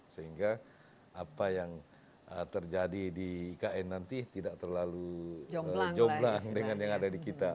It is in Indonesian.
sehingga apa yang terjadi di ikn nanti tidak terlalu joblang dengan yang ada di kita